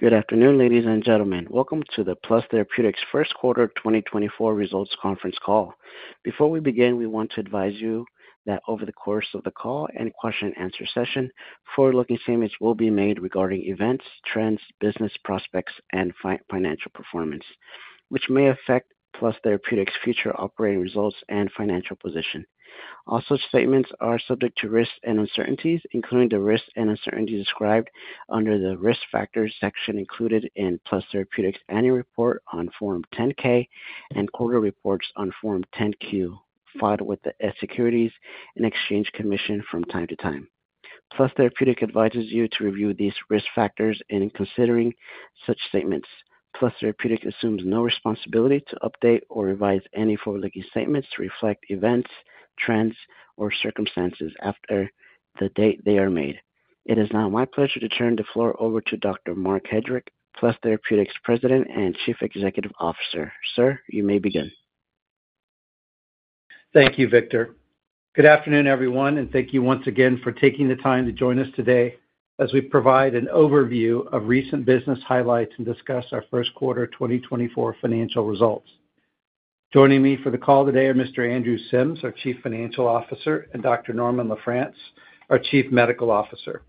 Good afternoon, ladies and gentlemen. Welcome to the Plus Therapeutics' first quarter 2024 results conference call. Before we begin, we want to advise you that over the course of the call and question and answer session, forward-looking statements will be made regarding events, trends, business prospects, and financial performance, which may affect Plus Therapeutics' future operating results and financial position. Also, statements are subject to risks and uncertainties, including the risks and uncertainties described under the Risk Factors section included in Plus Therapeutics' annual report on Form 10-K and quarter reports on Form 10-Q, filed with the Securities and Exchange Commission from time to time. Plus Therapeutics advises you to review these risk factors in considering such statements. Plus Therapeutics assumes no responsibility to update or revise any forward-looking statements to reflect events, trends, or circumstances after the date they are made. It is now my pleasure to turn the floor over to Dr. Marc Hedrick, Plus Therapeutics President and Chief Executive Officer. Sir, you may begin. Thank you, Victor. Good afternoon, everyone, and thank you once again for taking the time to join us today as we provide an overview of recent business highlights and discuss our first quarter 2024 financial results. Joining me for the call today are Mr. Andrew Sims, our Chief Financial Officer, and Dr. Norman LaFrance, our Chief Medical Officer.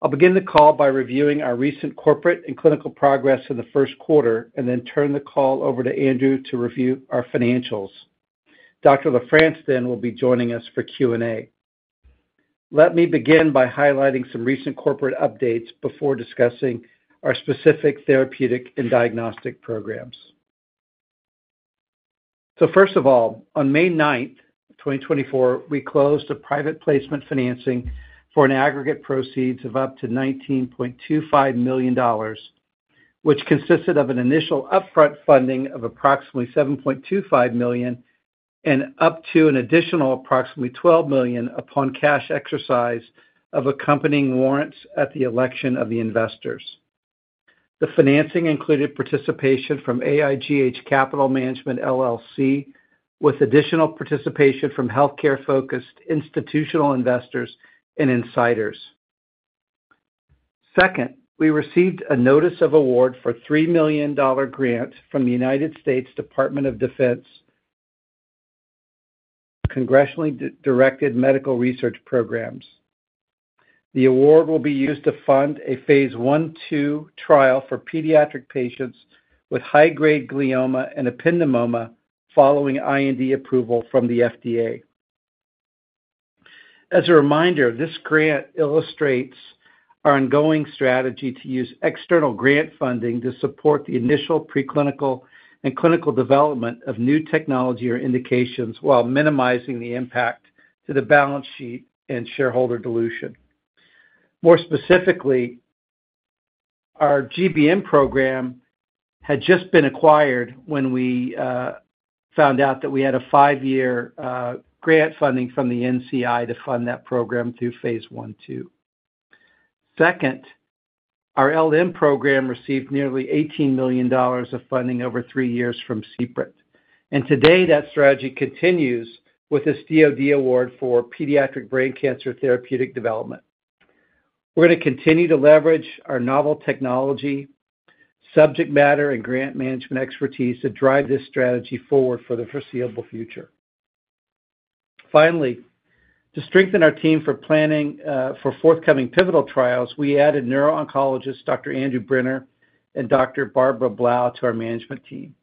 I'll begin the call by reviewing our recent corporate and clinical progress in the first quarter, and then turn the call over to Andrew to review our financials. Dr. LaFrance then will be joining us for Q&A. Let me begin by highlighting some recent corporate updates before discussing our specific therapeutic and diagnostic programs. So first of all, on May 9th, 2024, we closed a private placement financing for an aggregate proceeds of up to $19.25 million, which consisted of an initial upfront funding of approximately $7.25 million and up to an additional approximately $12 million upon cash exercise of accompanying warrants at the election of the investors. The financing included participation from AIGH Capital Management LLC, with additional participation from healthcare-focused institutional investors and insiders. Second, we received a notice of award for a $3 million grant from the United States Department of Defense Congressionally Directed Medical Research Programs. The award will be used to fund a phase 1-2 trial for pediatric patients with high-grade glioma and ependymoma following IND approval from the FDA. As a reminder, this grant illustrates our ongoing strategy to use external grant funding to support the initial preclinical and clinical development of new technology or indications, while minimizing the impact to the balance sheet and shareholder dilution. More specifically, our GBM program had just been acquired when we found out that we had a five-year grant funding from the NCI to fund that program through phase 1-2. Second, our LM program received nearly $18 million of funding over three years from CPRIT, and today that strategy continues with this DoD award for pediatric brain cancer therapeutic development. We're going to continue to leverage our novel technology, subject matter, and grant management expertise to drive this strategy forward for the foreseeable future. Finally, to strengthen our team for planning for forthcoming pivotal trials, we added neuro-oncologist, Dr. Andrew Brenner and Dr. Barbara Blouw to our management team.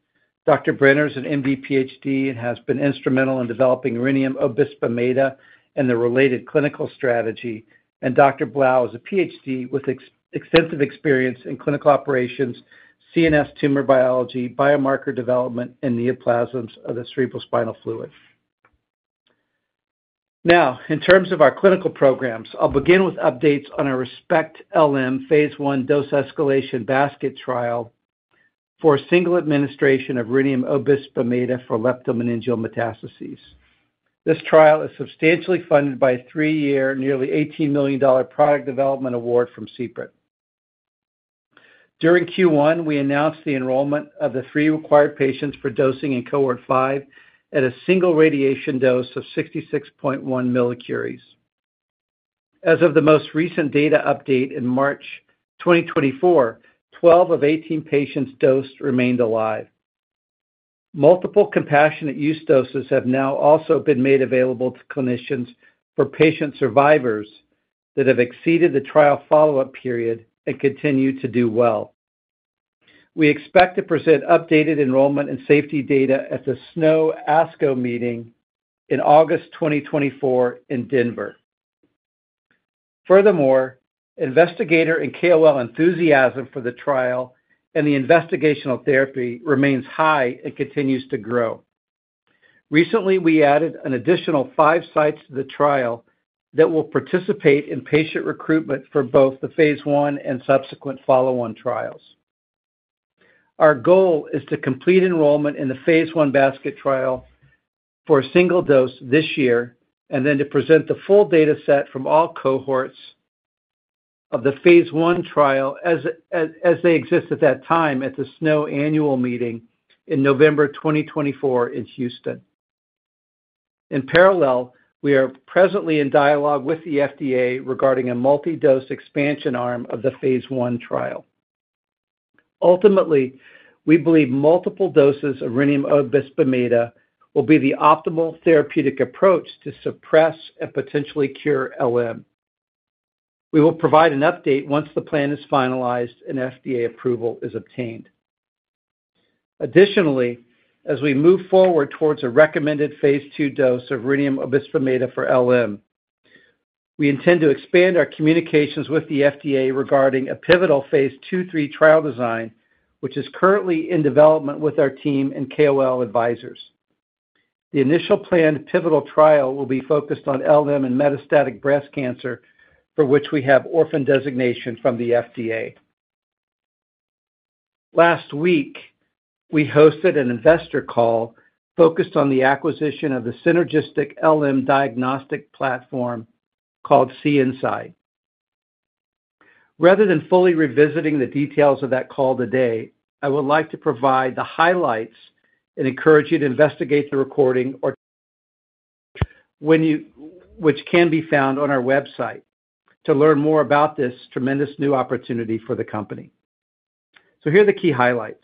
Dr. Brenner is an MD, PhD, and has been instrumental in developing rhenium obisbemeda and the related clinical strategy. Dr. Blouw is a PhD with extensive experience in clinical operations, CNS tumor biology, biomarker development, and neoplasms of the cerebrospinal fluid. Now, in terms of our clinical programs, I'll begin with updates on our ReSPECT-LM phase 1 dose escalation basket trial for a single administration of rhenium obisbemeda for leptomeningeal metastases. This trial is substantially funded by a 3-year, nearly $18 million product development award from CPRIT. During Q1, we announced the enrollment of the 3 required patients for dosing in cohort 5 at a single radiation dose of 66.1 millicuries. As of the most recent data update in March 2024, 12 of 18 patients dosed remained alive. Multiple compassionate use doses have now also been made available to clinicians for patient survivors that have exceeded the trial follow-up period and continue to do well. We expect to present updated enrollment and safety data at the SNO ASCO meeting in August 2024 in Denver. Furthermore, investigator and KOL enthusiasm for the trial and the investigational therapy remains high and continues to grow. Recently, we added an additional five sites to the trial that will participate in patient recruitment for both the phase 1 and subsequent follow-on trials. Our goal is to complete enrollment in the phase 1 basket trial for a single dose this year, and then to present the full dataset from all cohorts of the phase 1 trial as they exist at that time at the SNO Annual Meeting in November 2024 in Houston. In parallel, we are presently in dialogue with the FDA regarding a multi-dose expansion arm of the phase I trial. Ultimately, we believe multiple doses of rhenium obisbemeda will be the optimal therapeutic approach to suppress and potentially cure LM. We will provide an update once the plan is finalized and FDA approval is obtained. Additionally, as we move forward towards a recommended phase II dose of rhenium obisbemeda for LM, we intend to expand our communications with the FDA regarding a pivotal phase 2,3 trial design, which is currently in development with our team and KOL advisors. The initial planned pivotal trial will be focused on LM and metastatic breast cancer, for which we have orphan designation from the FDA. Last week, we hosted an investor call focused on the acquisition of the synergistic LM diagnostic platform called CNSide. Rather than fully revisiting the details of that call today, I would like to provide the highlights and encourage you to investigate the recording, which can be found on our website, to learn more about this tremendous new opportunity for the company. So here are the key highlights,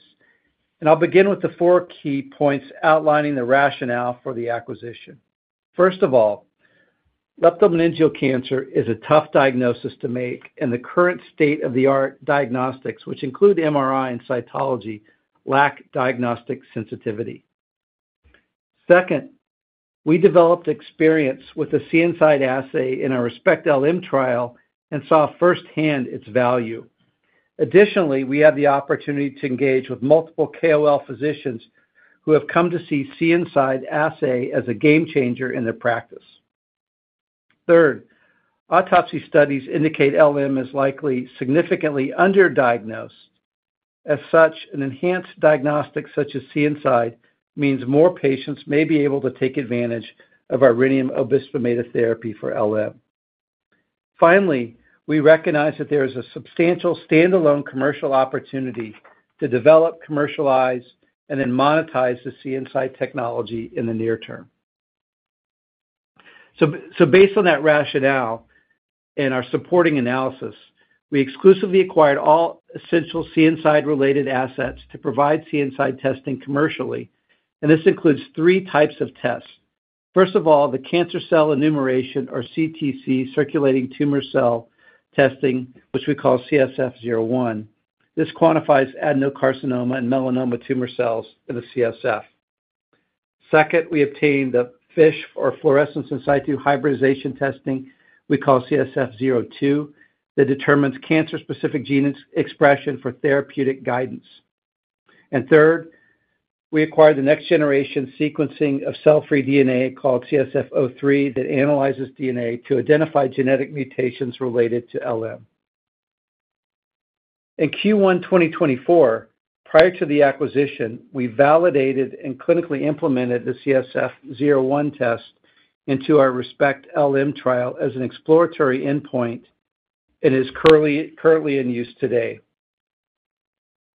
and I'll begin with the four key points outlining the rationale for the acquisition. First of all, leptomeningeal cancer is a tough diagnosis to make, and the current state-of-the-art diagnostics, which include MRI and cytology, lack diagnostic sensitivity. Second, we developed experience with the CNSide assay in our ReSPECT-LM trial and saw firsthand its value. Additionally, we had the opportunity to engage with multiple KOL physicians who have come to see CNSide assay as a game changer in their practice. Third, autopsy studies indicate LM is likely significantly underdiagnosed. As such, an enhanced diagnostic such as CNSide means more patients may be able to take advantage of our rhenium therapy for LM. Finally, we recognize that there is a substantial standalone commercial opportunity to develop, commercialize, and then monetize the CNSide technology in the near term. So, based on that rationale and our supporting analysis, we exclusively acquired all essential CNSide-related assets to provide CNSide testing commercially, and this includes three types of tests. First of all, the cancer cell enumeration or CTC, circulating tumor cell, testing, which we call CSF-01. This quantifies adenocarcinoma and melanoma tumor cells in the CSF. Second, we obtained the FISH or fluorescence in situ hybridization testing we call CSF-02, that determines cancer-specific gene expression for therapeutic guidance. Third, we acquired the next-generation sequencing of cell-free DNA, called CSF-03, that analyzes DNA to identify genetic mutations related to LM. In Q1 2024, prior to the acquisition, we validated and clinically implemented the CSF-01 test into our ReSPECT-LM trial as an exploratory endpoint and is currently in use today.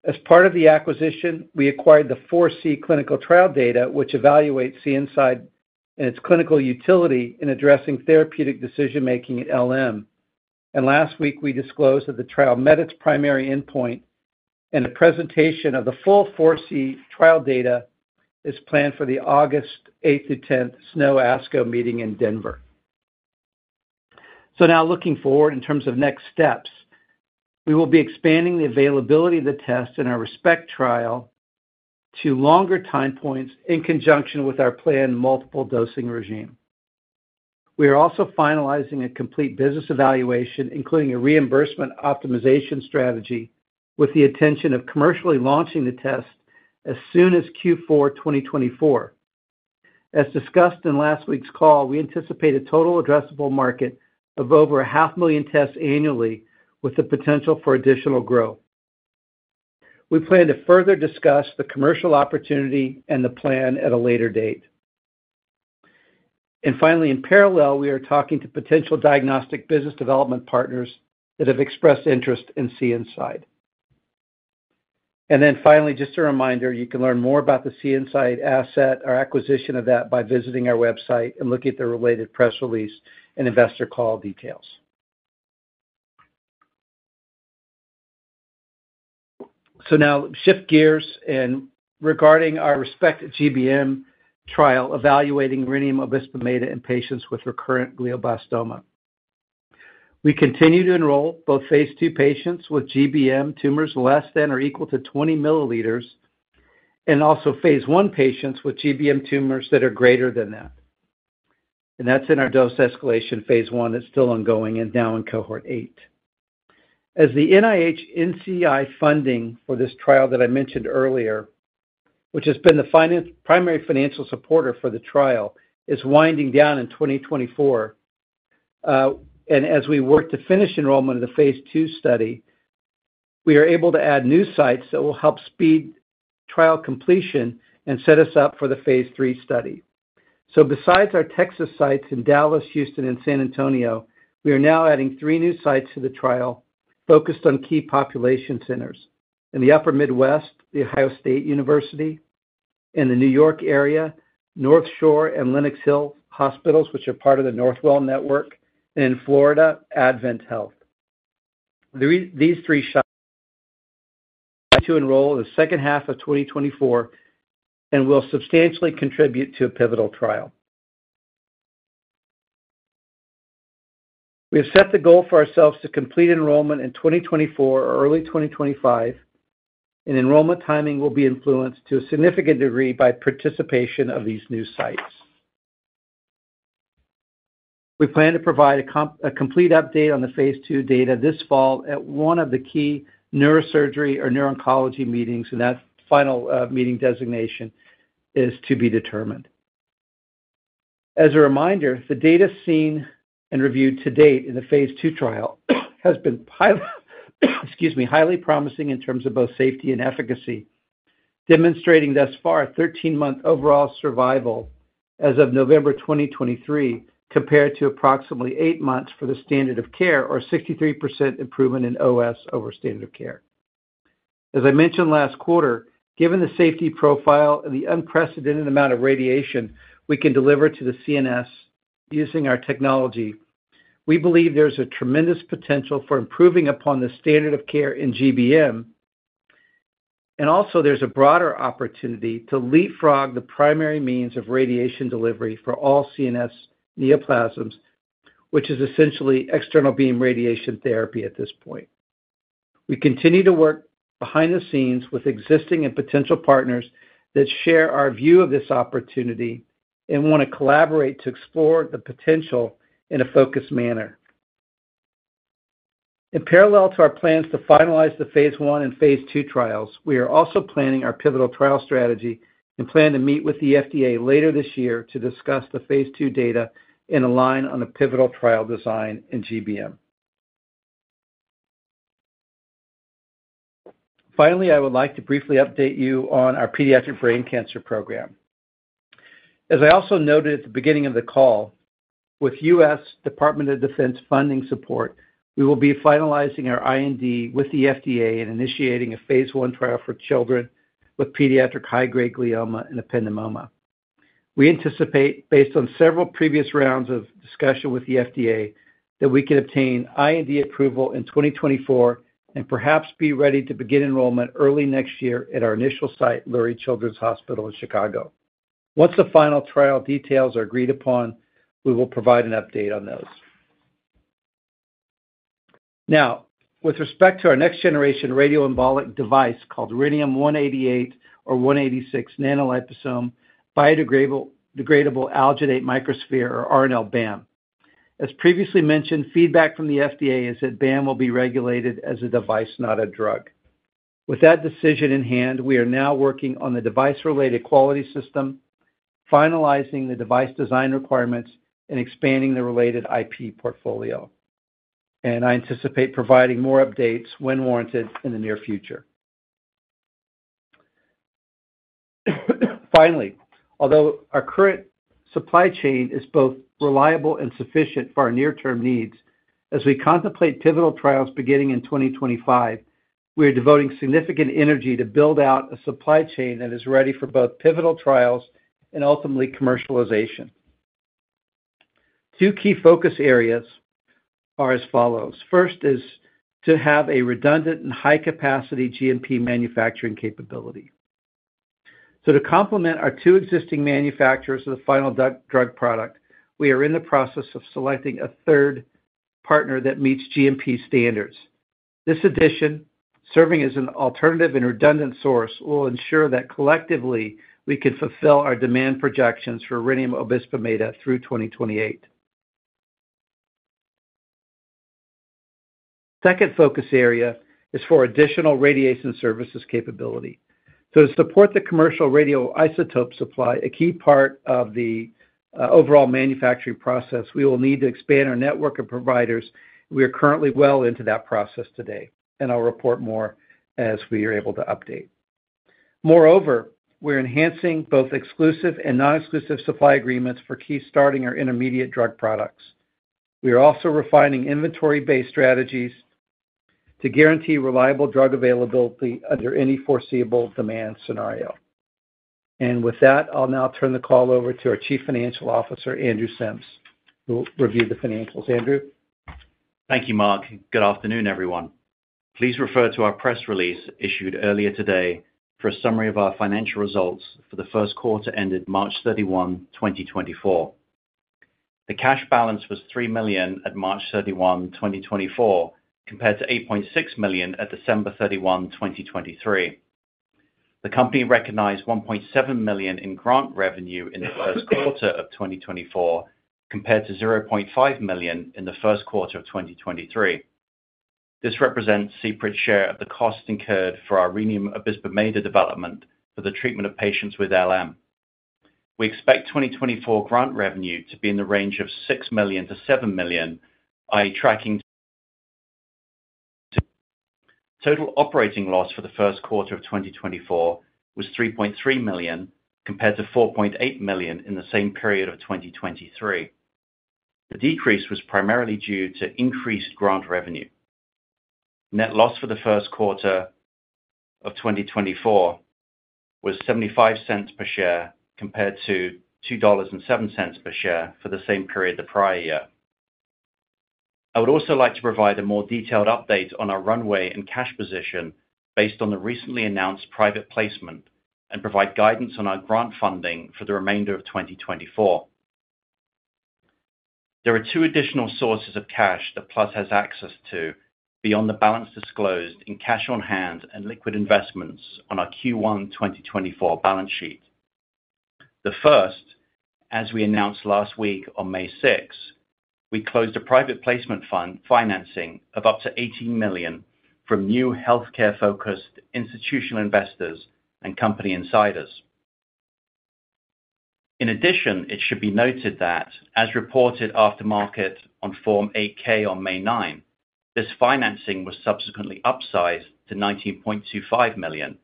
As part of the acquisition, we acquired the ForeSEE clinical trial data, which evaluates CNSide and its clinical utility in addressing therapeutic decision-making in LM. Last week, we disclosed that the trial met its primary endpoint, and a presentation of the full ForeSEE trial data is planned for the August 8-10 SNO ASCO meeting in Denver. Now looking forward in terms of next steps, we will be expanding the availability of the test in our ReSPECT trial to longer time points in conjunction with our planned multiple dosing regime. We are also finalizing a complete business evaluation, including a reimbursement optimization strategy, with the intention of commercially launching the test as soon as Q4 2024. As discussed in last week's call, we anticipate a total addressable market of over 500,000 tests annually, with the potential for additional growth. We plan to further discuss the commercial opportunity and the plan at a later date. Finally, in parallel, we are talking to potential diagnostic business development partners that have expressed interest in CNSide. Then finally, just a reminder, you can learn more about the CNSide asset or acquisition of that by visiting our website and looking at the related press release and investor call details. Now shift gears and regarding our ReSPECT-GBM trial, evaluating rhenium obisbemeda in patients with recurrent glioblastoma. We continue to enroll both phase II patients with GBM tumors less than or equal to 20 milliliters, and also phase I patients with GBM tumors that are greater than that. That's in our dose escalation phase I, that's still ongoing and now in cohort 8. As the NIH NCI funding for this trial that I mentioned earlier, which has been the primary financial supporter for the trial, is winding down in 2024, and as we work to finish enrollment in the phase II study, we are able to add new sites that will help speed trial completion and set us up for the phase III study. Besides our Texas sites in Dallas, Houston, and San Antonio, we are now adding 3 new sites to the trial focused on key population centers. in the upper Midwest, The Ohio State University, in the New York area, North Shore and Lenox Hill Hospitals, which are part of the Northwell Network, and in Florida, AdventHealth. These three sites to enroll in the second half of 2024 and will substantially contribute to a pivotal trial. We have set the goal for ourselves to complete enrollment in 2024 or early 2025, and enrollment timing will be influenced to a significant degree by participation of these new sites. We plan to provide a complete update on the phase 2 data this fall at one of the key neurosurgery or neuro-oncology meetings, and that final meeting designation is to be determined. As a reminder, the data seen and reviewed to date in the phase 2 trial has been highly, excuse me, highly promising in terms of both safety and efficacy, demonstrating thus far a 13-month overall survival as of November 2023, compared to approximately 8 months for the standard of care, or 63% improvement in OS over standard of care. As I mentioned last quarter, given the safety profile and the unprecedented amount of radiation we can deliver to the CNS using our technology, we believe there's a tremendous potential for improving upon the standard of care in GBM, and also there's a broader opportunity to leapfrog the primary means of radiation delivery for all CNS neoplasms, which is essentially external beam radiation therapy at this point. We continue to work behind the scenes with existing and potential partners that share our view of this opportunity and want to collaborate to explore the potential in a focused manner. In parallel to our plans to finalize the phase 1 and phase 2 trials, we are also planning our pivotal trial strategy and plan to meet with the FDA later this year to discuss the phase 2 data and align on a pivotal trial design in GBM. Finally, I would like to briefly update you on our pediatric brain cancer program. As I also noted at the beginning of the call, with U.S. Department of Defense funding support, we will be finalizing our IND with the FDA and initiating a phase 1 trial for children with pediatric high-grade glioma and ependymoma. We anticipate, based on several previous rounds of discussion with the FDA, that we can obtain IND approval in 2024 and perhaps be ready to begin enrollment early next year at our initial site, Lurie Children's Hospital in Chicago. Once the final trial details are agreed upon, we will provide an update on those. Now, with respect to our next generation radioembolic device, called Rhenium-188 or 186 nanoliposome, biodegradable, degradable alginate microsphere or RNL-BAM. As previously mentioned, feedback from the FDA has said BAM will be regulated as a device, not a drug. With that decision in hand, we are now working on the device-related quality system, finalizing the device design requirements and expanding the related IP portfolio, and I anticipate providing more updates when warranted in the near future. Finally, although our current supply chain is both reliable and sufficient for our near-term needs, as we contemplate pivotal trials beginning in 2025, we are devoting significant energy to build out a supply chain that is ready for both pivotal trials and ultimately commercialization. Two key focus areas are as follows: First is to have a redundant and high-capacity GMP manufacturing capability. So to complement our two existing manufacturers of the final drug product, we are in the process of selecting a third partner that meets GMP standards. This addition, serving as an alternative and redundant source, will ensure that collectively, we can fulfill our demand projections for rhenium obisbemeda through 2028. Second focus area is for additional radiation services capability. So to support the commercial radioisotope supply, a key part of the overall manufacturing process, we will need to expand our network of providers. We are currently well into that process today, and I'll report more as we are able to update. Moreover, we're enhancing both exclusive and non-exclusive supply agreements for key starting materials and intermediate drug products. We are also refining inventory-based strategies to guarantee reliable drug availability under any foreseeable demand scenario. With that, I'll now turn the call over to our Chief Financial Officer, Andrew Sims, who will review the financials. Andrew? Thank you, Marc. Good afternoon, everyone. Please refer to our press release issued earlier today for a summary of our financial results for the first quarter ended March 31, 2024. The cash balance was $3 million at March 31, 2024, compared to $8.6 million at December 31, 2023. The company recognized $1.7 million in grant revenue in the first quarter of 2024, compared to $0.5 million in the first quarter of 2023. This represents CPRIT's share of the cost incurred for our rhenium obisbemeda development for the treatment of patients with LM. We expect 2024 grant revenue to be in the range of $6 million-$7 million, i.e., tracking... Total operating loss for the first quarter of 2024 was $3.3 million, compared to $4.8 million in the same period of 2023. The decrease was primarily due to increased grant revenue. Net loss for the first quarter of 2024 was $0.75 per share, compared to $2.07 per share for the same period the prior year. I would also like to provide a more detailed update on our runway and cash position based on the recently announced private placement, and provide guidance on our grant funding for the remainder of 2024. There are two additional sources of cash that Plus has access to beyond the balance disclosed in cash on hand and liquid investments on our Q1 2024 balance sheet. The first, as we announced last week on May 6, we closed a private placement financing of up to $18 million from new healthcare-focused institutional investors and company insiders. In addition, it should be noted that, as reported after market on Form 8-K on May 9, this financing was subsequently upsized to $19.25 million,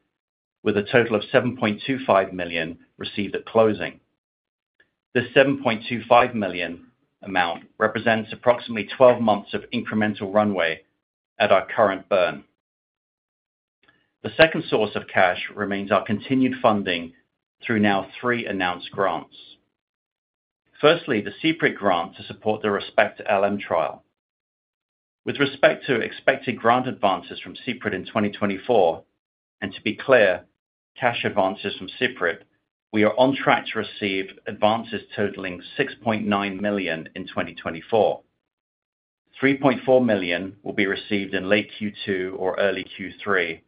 with a total of $7.25 million received at closing. This $7.25 million amount represents approximately 12 months of incremental runway at our current burn. The second source of cash remains our continued funding through now three announced grants. Firstly, the CPRIT grant to support the ReSPECT-LM trial. With respect to expected grant advances from CPRIT in 2024, and to be clear, cash advances from CPRIT, we are on track to receive advances totaling $6.9 million in 2024. $3.4 million will be received in late Q2 or early Q3,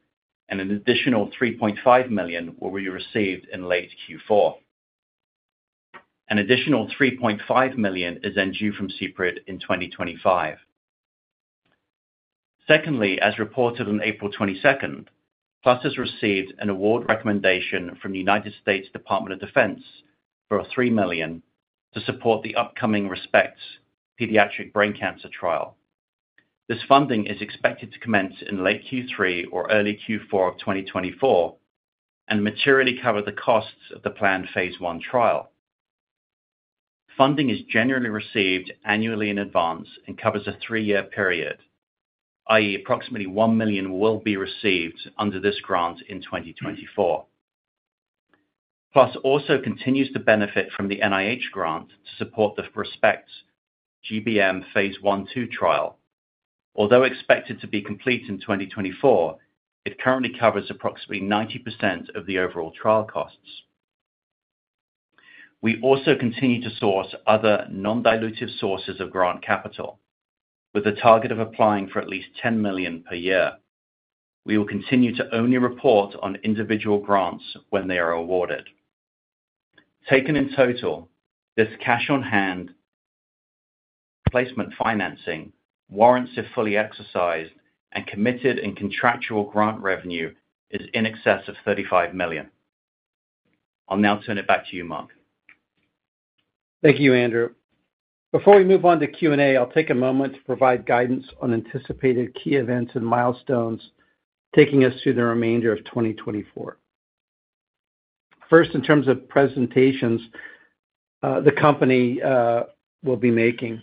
and an additional $3.5 million will be received in late Q4. An additional $3.5 million is then due from CPRIT in 2025. Secondly, as reported on April 22, Plus has received an award recommendation from the United States Department of Defense for $3 million to support the upcoming ReSPECT pediatric brain cancer trial. This funding is expected to commence in late Q3 or early Q4 of 2024, and materially cover the costs of the planned phase 1 trial. Funding is generally received annually in advance and covers a 3-year period, i.e., approximately $1 million will be received under this grant in 2024. Plus also continues to benefit from the NIH grant to support the ReSPECT-GBM phase 1/2 trial. Although expected to be complete in 2024, it currently covers approximately 90% of the overall trial costs. We also continue to source other non-dilutive sources of grant capital, with a target of applying for at least $10 million per year. We will continue to only report on individual grants when they are awarded. Taken in total, this cash on hand placement financing, warrants are fully exercised, and committed and contractual grant revenue is in excess of $35 million. I'll now turn it back to you, Marc. Thank you, Andrew. Before we move on to Q&A, I'll take a moment to provide guidance on anticipated key events and milestones, taking us through the remainder of 2024. First, in terms of presentations, the company will be making.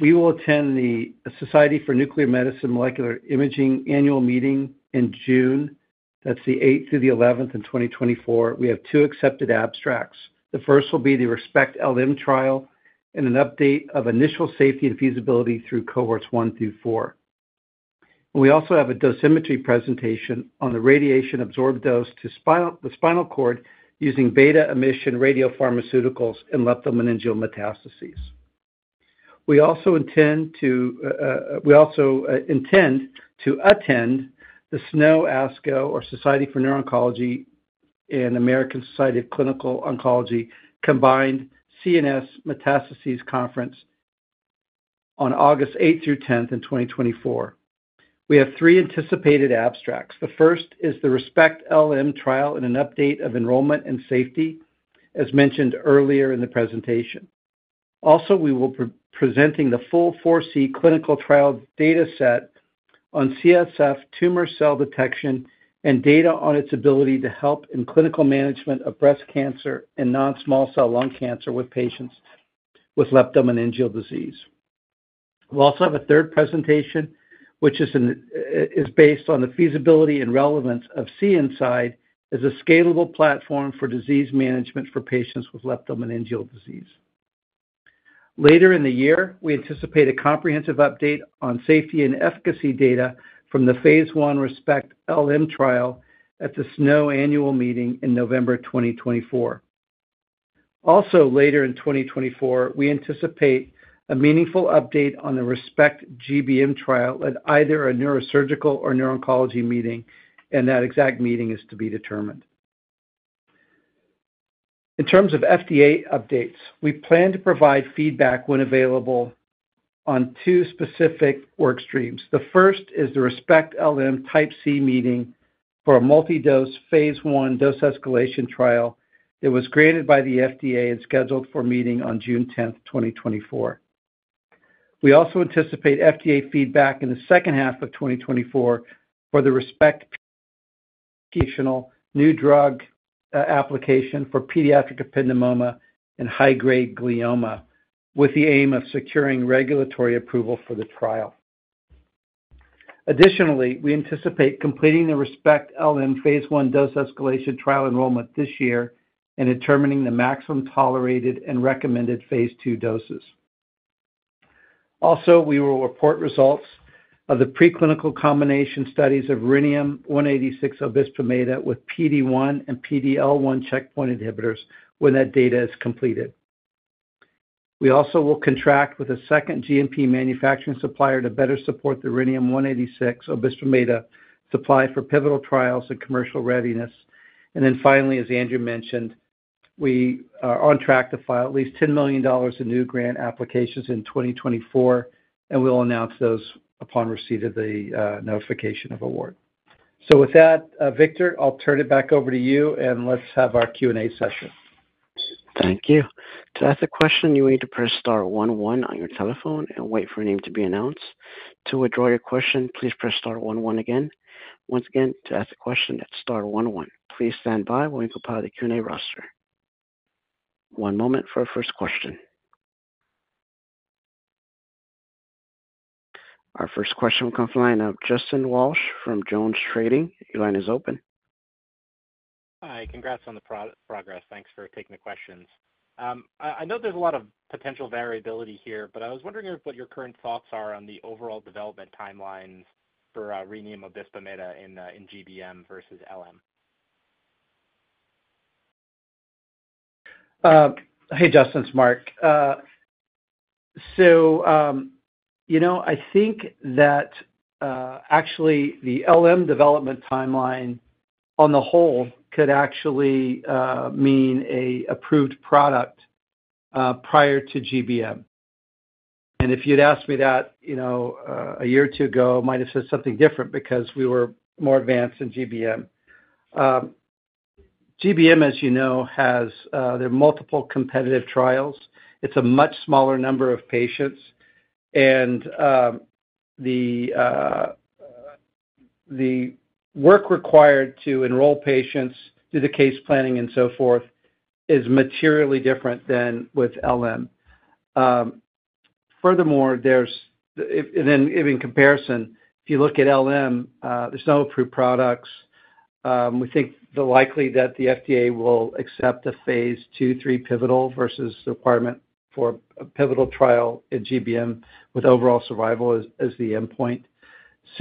We will attend the Society for Nuclear Medicine and Molecular Imaging annual meeting in June. That's the 8th through the 11th in 2024. We have two accepted abstracts. The first will be the RESPECT-LM trial and an update of initial safety and feasibility through cohorts 1 through 4. We also have a dosimetry presentation on the radiation absorbed dose to the spinal cord using beta emission radiopharmaceuticals and leptomeningeal metastases. We also intend to attend the SNO, ASCO, or Society for Neuro-Oncology and American Society of Clinical Oncology combined CNS Metastases Conference on August eighth through tenth in 2024. We have 3 anticipated abstracts. The first is the ReSPECT-LM trial and an update of enrollment and safety, as mentioned earlier in the presentation. Also, we will be presenting the full ForeSEE clinical trial dataset on CSF tumor cell detection and data on its ability to help in clinical management of breast cancer and non-small cell lung cancer with patients with leptomeningeal disease. We'll also have a third presentation, which is based on the feasibility and relevance of CNSide, as a scalable platform for disease management for patients with leptomeningeal disease. Later in the year, we anticipate a comprehensive update on safety and efficacy data from the phase 1 ReSPECT-LM trial at the SNO Annual Meeting in November 2024. Also, later in 2024, we anticipate a meaningful update on the ReSPECT-GBM trial at either a neurosurgical or neurooncology meeting, and that exact meeting is to be determined. In terms of FDA updates, we plan to provide feedback when available on two specific work streams. The first is the ReSPECT-LM Type C meeting for a multi-dose phase 1 dose escalation trial that was granted by the FDA and scheduled for meeting on June 10, 2024. We also anticipate FDA feedback in the second half of 2024 for the ReSPECT-PBC investigational new drug application for pediatric ependymoma and high-grade glioma, with the aim of securing regulatory approval for the trial. Additionally, we anticipate completing the ReSPECT-LM phase 1 dose escalation trial enrollment this year and determining the maximum tolerated and recommended phase 2 doses. Also, we will report results of the preclinical combination studies of Rhenium-186 obisbemeda with PD-1 and PD-L1 checkpoint inhibitors when that data is completed. We also will contract with a second GMP manufacturing supplier to better support the Rhenium-186 obisbemeda supply for pivotal trials and commercial readiness. And then finally, as Andrew mentioned, we are on track to file at least $10 million in new grant applications in 2024, and we'll announce those upon receipt of the notification of award. So with that, Victor, I'll turn it back over to you, and let's have our Q&A session. Thank you. To ask a question, you need to press star one, one on your telephone and wait for your name to be announced. To withdraw your question, please press star one, one again. Once again, to ask a question, it's star one, one. Please stand by while we compile the Q&A roster. One moment for our first question. Our first question comes from the line of Justin Walsh from JonesTrading. Your line is open. Hi, congrats on the progress. Thanks for taking the questions. I know there's a lot of potential variability here, but I was wondering what your current thoughts are on the overall development timelines for rhenium obisbemeda in GBM versus LM? Hey, Justin, it's Marc. So, you know, I think that, actually, the LM development timeline on the whole could actually mean an approved product prior to GBM. And if you'd asked me that, you know, a year or two ago, I might have said something different because we were more advanced in GBM. GBM, as you know, there are multiple competitive trials. It's a much smaller number of patients, and the work required to enroll patients, do the case planning and so forth, is materially different than with LM. Furthermore, if you look at LM, there's no approved products. We think the likely that the FDA will accept a phase 2, 3 pivotal versus the requirement for a pivotal trial in GBM with overall survival as, as the endpoint.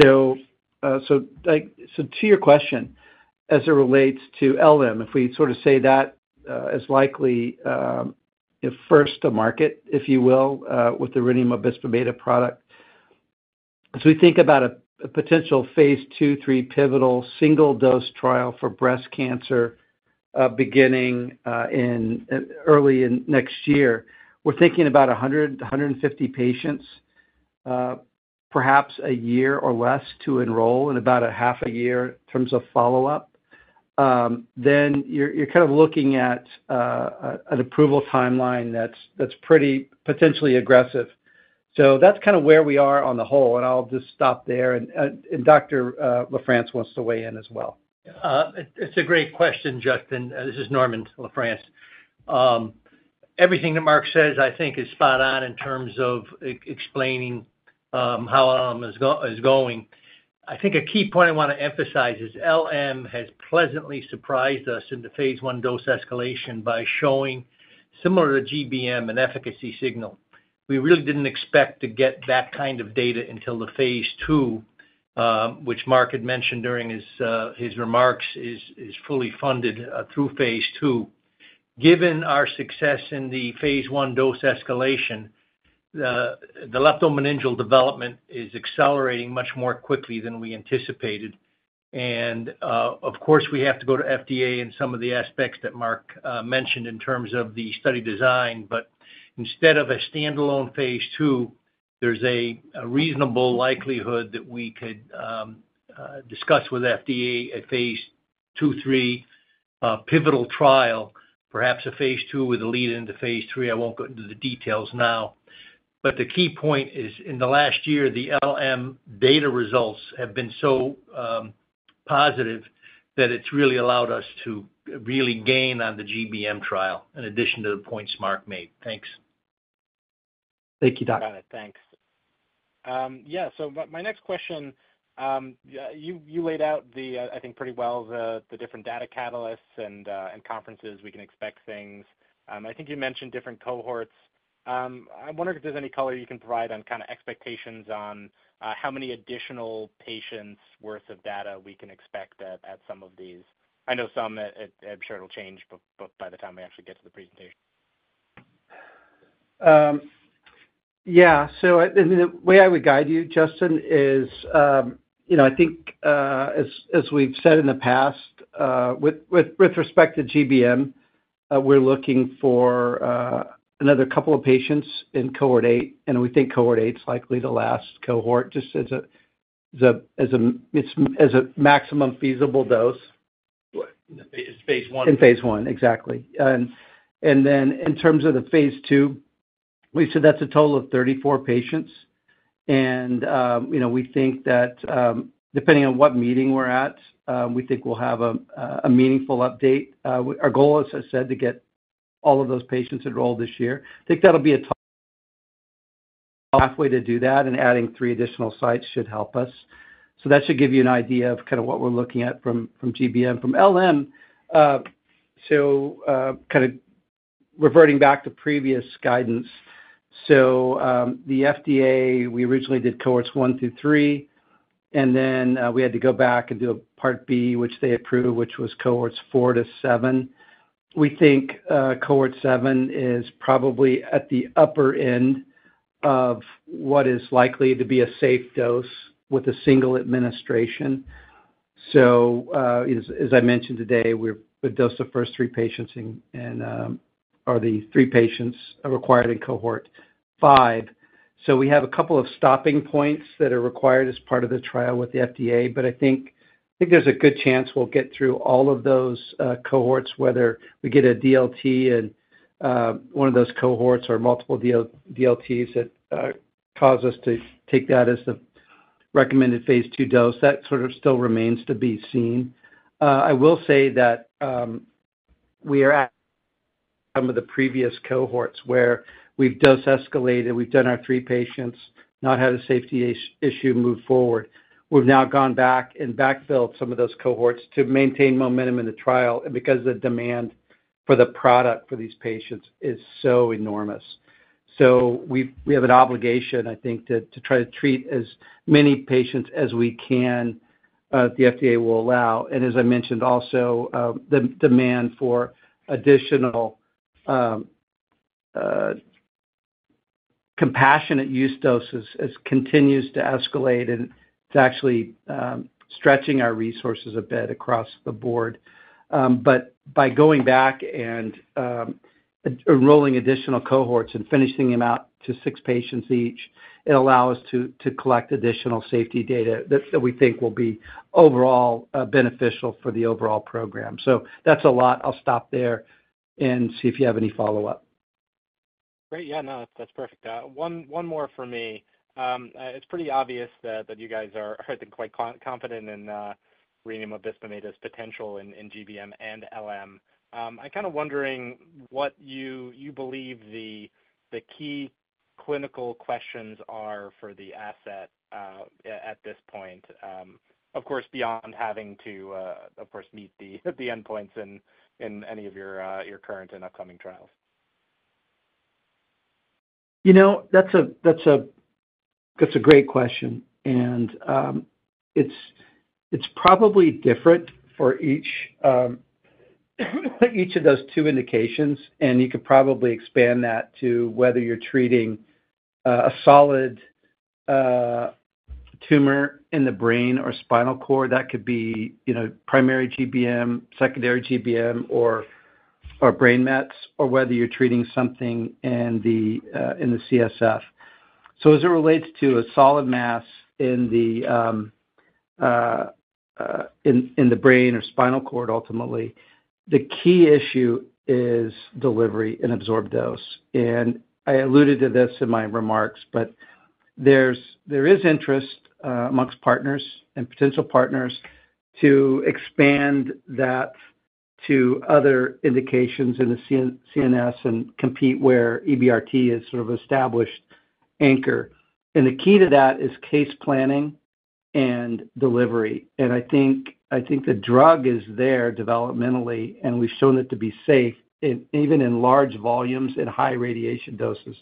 So, so, like, to your question, as it relates to LM, if we sort of say that, is likely, if first to market, if you will, with the rhenium obisbemeda product. As we think about a, a potential phase 2, 3 pivotal single dose trial for breast cancer, beginning in early next year, we're thinking about 100-150 patients, perhaps a year or less to enroll and about a half a year in terms of follow-up. Then you're kind of looking at an approval timeline that's pretty potentially aggressive. So that's kind of where we are on the whole, and I'll just stop there, and Dr. LaFrance wants to weigh in as well. It's a great question, Justin. This is Norman LaFrance. Everything that Mark says, I think, is spot on in terms of explaining how LM is going. I think a key point I want to emphasize is LM has pleasantly surprised us in the phase 1 dose escalation by showing, similar to GBM, an efficacy signal. We really didn't expect to get that kind of data until the phase 2, which Mark had mentioned during his remarks, is fully funded through phase 2. Given our success in the phase 1 dose escalation, the leptomeningeal development is accelerating much more quickly than we anticipated. Of course, we have to go to the FDA in some of the aspects that Mark mentioned in terms of the study design. But instead of a standalone phase 2, there's a reasonable likelihood that we could discuss with FDA a phase 2/3 pivotal trial, perhaps a phase 2 with a lead into phase 3. I won't go into the details now. But the key point is, in the last year, the LM data results have been so positive that it's really allowed us to really gain on the GBM trial, in addition to the points Mark made. Thanks. Thank you, Doc. Got it. Thanks. Yeah, so my next question, you laid out the, I think pretty well, the different data catalysts and conferences we can expect things. I think you mentioned different cohorts. I'm wondering if there's any color you can provide on kind of expectations on how many additional patients worth of data we can expect at some of these? I know, I'm sure it'll change, but by the time I actually get to the presentation. Yeah. So, the way I would guide you, Justin, is, you know, I think, as we've said in the past, with respect to GBM, we're looking for another couple of patients in cohort eight, and we think cohort eight is likely the last cohort, just as a maximum feasible dose. It's phase 1. In phase 1, exactly. Then in terms of the phase 2, we said that's a total of 34 patients. You know, we think that, depending on what meeting we're at, we think we'll have a meaningful update. Our goal, as I said, to get all of those patients enrolled this year. I think that'll be a halfway to do that, and adding three additional sites should help us. That should give you an idea of kind of what we're looking at from GBM. From LM, so kind of reverting back to previous guidance. The FDA, we originally did cohorts 1-3, and then we had to go back and do a Part B, which they approved, which was cohorts 4-7. We think, cohort 7 is probably at the upper end of what is likely to be a safe dose with a single administration. So, as I mentioned today, we've dosed the first 3 patients and or the 3 patients required in cohort 5. So we have a couple of stopping points that are required as part of the trial with the FDA, but I think, I think there's a good chance we'll get through all of those, cohorts, whether we get a DLT in, one of those cohorts or multiple DLTs that, cause us to take that as the recommended phase 2 dose. That sort of still remains to be seen. I will say that we are at some of the previous cohorts where we've dose escalated. We've done our three patients, not had a safety issue, move forward. We've now gone back and backfilled some of those cohorts to maintain momentum in the trial and because the demand for the product for these patients is so enormous. So we have an obligation, I think, to try to treat as many patients as we can, the FDA will allow. And as I mentioned also, the demand for additional compassionate use doses, as it continues to escalate, and it's actually stretching our resources a bit across the board. But by going back and enrolling additional cohorts and finishing them out to 6 patients each, it allows to collect additional safety data that we think will be overall beneficial for the overall program. So that's a lot. I'll stop there and see if you have any follow-up. Great. Yeah, no, that's perfect. One more for me. It's pretty obvious that you guys are, I think, quite confident in Rhenium Obisbemeda's potential in GBM and LM. I'm kind of wondering what you believe the key clinical questions are for the asset at this point, of course, beyond having to meet the endpoints in any of your current and upcoming trials? You know, that's a great question, and it's probably different for each of those two indications, and you could probably expand that to whether you're treating a solid tumor in the brain or spinal cord. That could be, you know, primary GBM, secondary GBM, or brain mets, or whether you're treating something in the CSF. So as it relates to a solid mass in the brain or spinal cord, ultimately, the key issue is delivery and absorbed dose. And I alluded to this in my remarks, but there is interest amongst partners and potential partners to expand that to other indications in the CNS and compete where EBRT has sort of established anchor. And the key to that is case planning and delivery. And I think the drug is there developmentally, and we've shown it to be safe, even in large volumes and high radiation doses.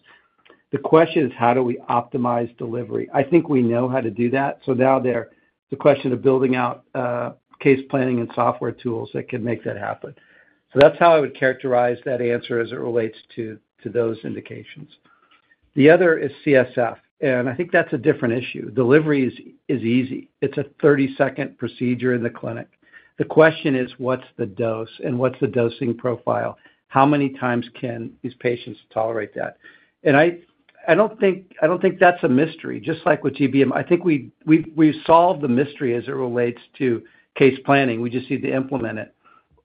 The question is: how do we optimize delivery? I think we know how to do that. So now, the question of building out case planning and software tools that can make that happen. So that's how I would characterize that answer as it relates to those indications. The other is CSF, and I think that's a different issue. Delivery is easy. It's a 30-second procedure in the clinic. The question is: what's the dose and what's the dosing profile? How many times can these patients tolerate that? And I don't think that's a mystery. Just like with GBM, I think we've solved the mystery as it relates to case planning. We just need to implement it.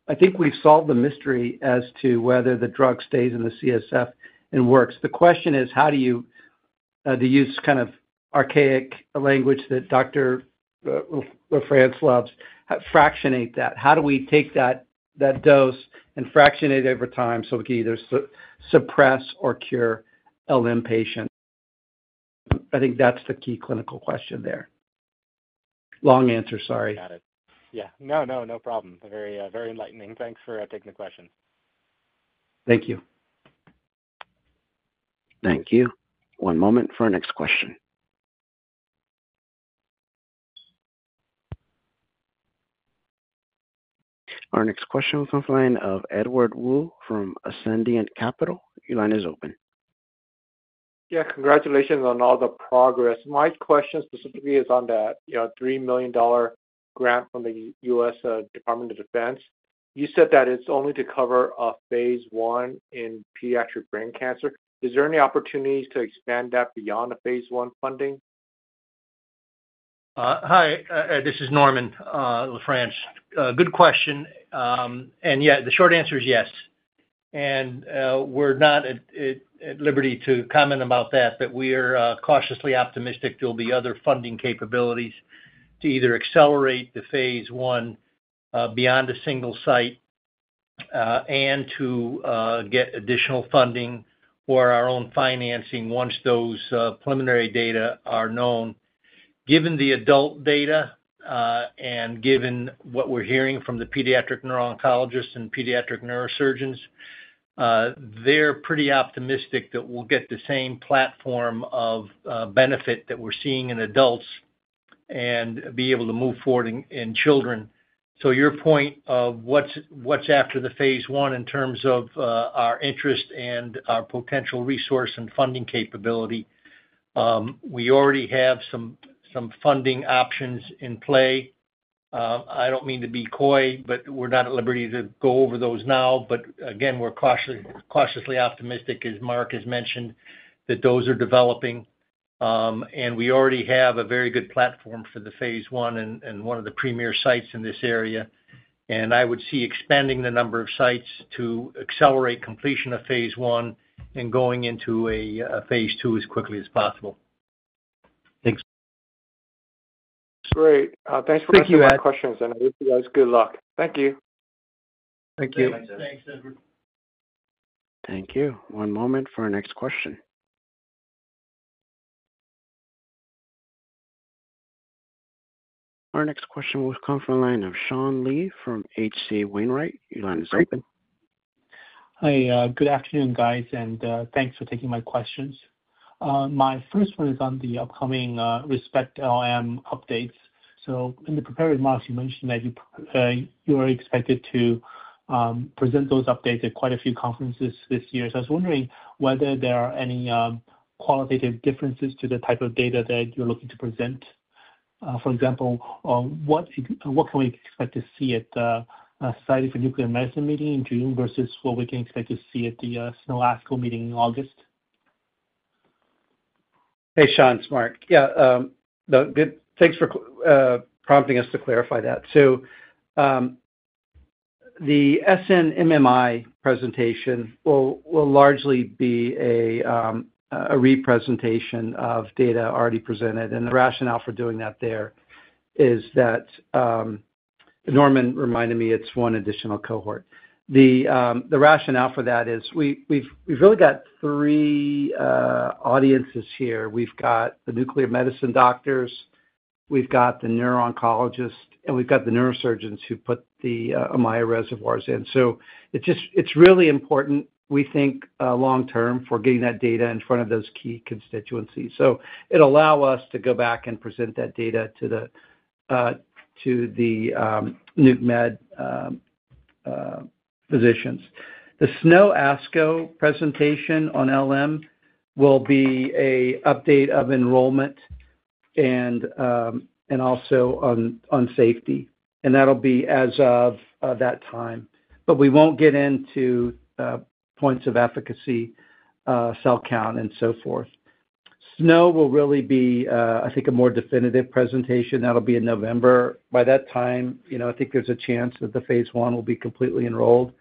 I think we've solved the mystery as to whether the drug stays in the CSF and works. The question is: how do you, to use kind of archaic language that Dr. LaFrance loves, fractionate that? How do we take that, that dose and fractionate it over time, so we can either suppress or cure LM patients? I think that's the key clinical question there. Long answer, sorry. Got it. Yeah. No, no, no problem. Very, very enlightening. Thanks for taking the question. Thank you. Thank you. One moment for our next question. Our next question comes from the line of Edward Wu from Ascendiant Capital. Your line is open. Yeah, congratulations on all the progress. My question specifically is on the, you know, $3 million grant from the U.S. Department of Defense. You said that it's only to cover a phase one in pediatric brain cancer. Is there any opportunities to expand that beyond the phase one funding? Hi, this is Norman LaFrance. Good question. And yeah, the short answer is yes. And, we're not at liberty to comment about that, but we are cautiously optimistic there'll be other funding capabilities to either accelerate the phase one beyond a single site, and to get additional funding for our own financing once those preliminary data are known. Given the adult data, and given what we're hearing from the pediatric neuro-oncologists and pediatric neurosurgeons, they're pretty optimistic that we'll get the same platform of benefit that we're seeing in adults and be able to move forward in children. So your point of what's after the phase one in terms of our interest and our potential resource and funding capability, we already have some funding options in play. I don't mean to be coy, but we're not at liberty to go over those now. But again, we're cautiously, cautiously optimistic, as Marc has mentioned, that those are developing. And we already have a very good platform for the phase one and one of the premier sites in this area. And I would see expanding the number of sites to accelerate completion of phase one and going into a phase two as quickly as possible. Thanks. Great. Thanks for taking my questions, and I wish you guys good luck. Thank you. Thank you. Thanks, Edward. Thank you. One moment for our next question. Our next question will come from the line of Sean Lee from H.C. Wainwright. Your line is open. Hi, good afternoon, guys, and thanks for taking my questions. My first one is on the upcoming ReSPECT-LM updates. So in the prepared remarks, you mentioned that you are expected to present those updates at quite a few conferences this year. So I was wondering whether there are any qualitative differences to the type of data that you're looking to present. For example, what can we expect to see at a Society for Nuclear Medicine meeting in June versus what we can expect to see at the SNO ASCO meeting in August? Hey, Shawn, it's Mark. Yeah, no, good. Thanks for prompting us to clarify that. So, the SNMMI presentation will largely be a representation of data already presented, and the rationale for doing that there is that. Norman reminded me it's one additional cohort. The rationale for that is we've really got three audiences here. We've got the nuclear medicine doctors, we've got the neuro-oncologists, and we've got the neurosurgeons who put the Ommaya reservoirs in. So it's just- it's really important, we think, long term, for getting that data in front of those key constituencies. So it'll allow us to go back and present that data to the Nuc Med physicians. The SNO ASCO presentation on LM will be an update of enrollment and also on safety, and that'll be as of that time. But we won't get into points of efficacy, cell count, and so forth. SNO will really be, I think, a more definitive presentation. That'll be in November. By that time, you know, I think there's a chance that the phase one will be completely enrolled,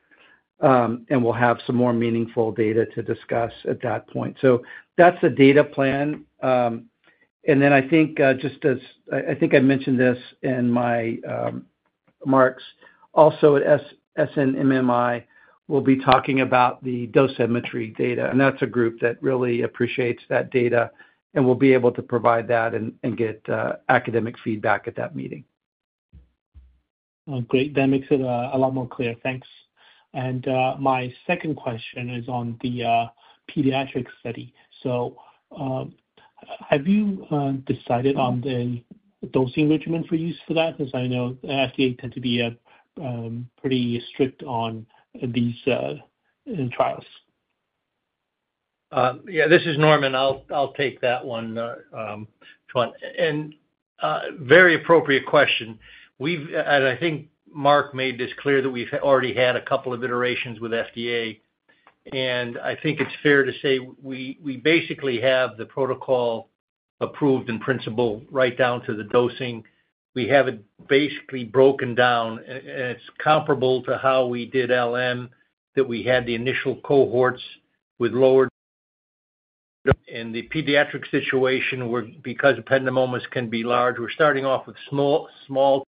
and we'll have some more meaningful data to discuss at that point. So that's the data plan. And then I think just as I think I mentioned this in my remarks, also at SNMMI, we'll be talking about the dosimetry data, and that's a group that really appreciates that data, and we'll be able to provide that and get academic feedback at that meeting. Well, great. That makes it a lot more clear. Thanks. And my second question is on the pediatric study. So, have you decided on the dosing regimen for use for that? Because I know FDA tend to be pretty strict on these in trials. Yeah, this is Norman. I'll take that one, Sean. Very appropriate question. We've, and I think Marc made this clear, that we've already had a couple of iterations with FDA, and I think it's fair to say we basically have the protocol approved in principle right down to the dosing. We have it basically broken down, and it's comparable to how we did LM, that we had the initial cohorts with lower. In the pediatric situation, where because ependymomas can be large, we're starting off with small, small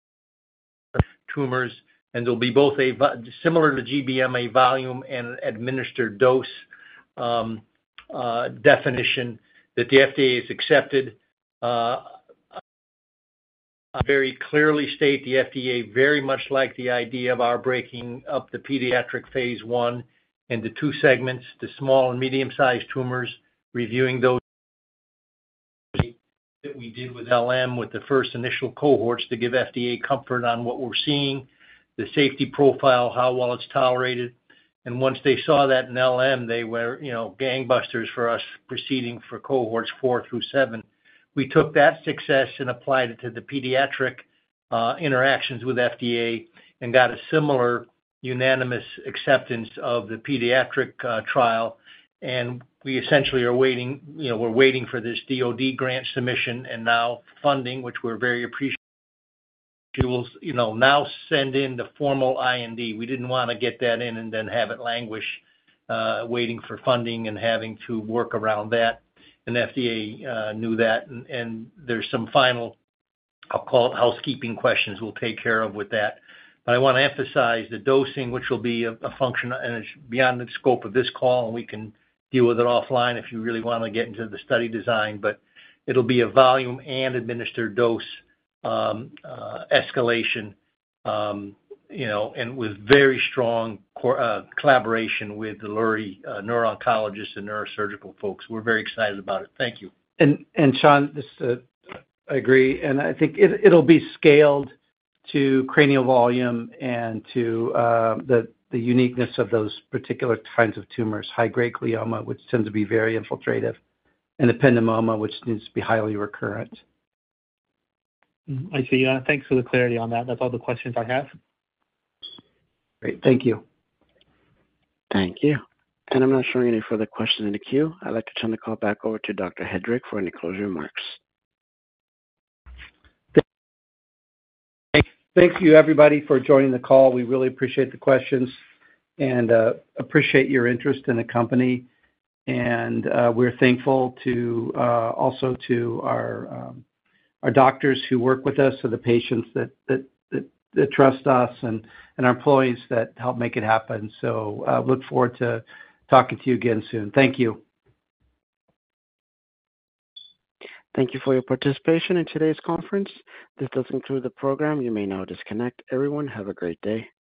tumors, and they'll be both a volume similar to GBM, a volume and administered dose definition that the FDA has accepted. I very clearly state the FDA very much like the idea of our breaking up the pediatric phase one into two segments, the small and medium-sized tumors, reviewing those. That we did with LM, with the first initial cohorts, to give FDA comfort on what we're seeing, the safety profile, how well it's tolerated. And once they saw that in LM, they were, you know, gangbusters for us, proceeding for cohorts 4 through 7. We took that success and applied it to the pediatric interactions with FDA and got a similar unanimous acceptance of the pediatric trial. And we essentially are waiting, you know, we're waiting for this DoD grant submission and now funding, which we're very appreciative, you know, now send in the formal IND. We didn't wanna get that in and then have it languish, waiting for funding and having to work around that. And FDA knew that, and, and there's some final, I'll call it, housekeeping questions we'll take care of with that. But I wanna emphasize the dosing, which will be a function, and it's beyond the scope of this call, and we can deal with it offline if you really wanna get into the study design. But it'll be a volume and administered dose escalation, you know, and with very strong collaboration with the Lurie neuro-oncologist and neurosurgical folks. We're very excited about it. Thank you. Sean, just, I agree, and I think it'll be scaled to cranial volume and to the uniqueness of those particular kinds of tumors, high-grade glioma, which tends to be very infiltrative, and ependymoma, which needs to be highly recurrent. I see. Thanks for the clarity on that. That's all the questions I have. Great. Thank you. Thank you. I'm not showing any further questions in the queue. I'd like to turn the call back over to Dr. Hedrick for any closing remarks. Thank you, everybody, for joining the call. We really appreciate the questions and appreciate your interest in the company. We're thankful to also to our doctors who work with us, to the patients that trust us, and our employees that help make it happen. Look forward to talking to you again soon. Thank you. Thank you for your participation in today's conference. This does conclude the program. You may now disconnect. Everyone, have a great day.